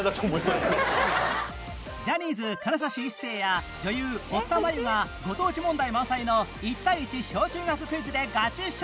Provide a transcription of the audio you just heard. ジャニーズ金指一世や女優堀田真由がご当地問題満載の１対１小中学クイズでガチ勝負。